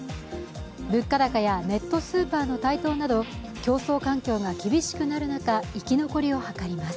物価高やネットスーパーの台頭など競争環境が厳しくなる中生き残りを図ります。